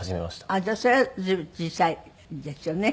あっじゃあそれは随分小さいですよね。